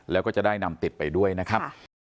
แล้วก็จะได้นำติดไปด้วยนะครับ